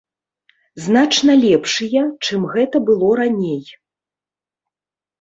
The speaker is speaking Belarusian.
Значна лепшыя, чым гэта было раней.